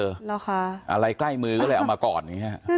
รู้ค่ะน่าเสียแปลกดีค่ะอะไรใกล้มืออะไรเอามาก่อน